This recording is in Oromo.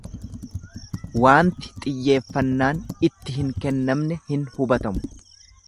Waanti xiyyeeffannaan itti hin kennamne hin hubatamu.